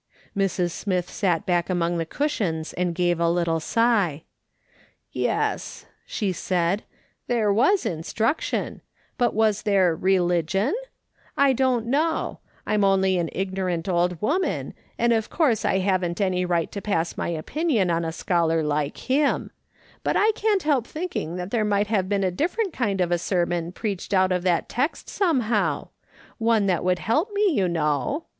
Mrs. Smith sat back among the cushions, and gave a little sigh, " Yes," she said, " there was instruction, but was there religion ? I don't know ; I'm only an ignorant old woman, and of course I haven't any right to pass my opinion on a scholar like him ; but I can't help thinking that there might have been a different kind of a sermon preached out of that text somehow ; one that would help me, you know.